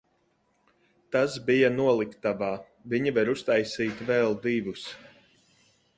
Tas bija noliktavā, viņi var uztaisīt vēl divus.